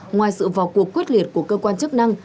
ngoài sự vào cuộc quyết liệt của cơ quan chức năng